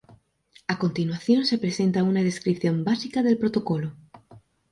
A continuación se presenta una descripción básica del protocolo.